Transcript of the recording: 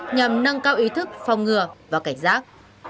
nhằm nâng cao ý thức phòng ngừa và cảnh giác